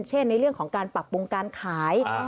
เช่นในเรื่องของการปรับปรุงการขาย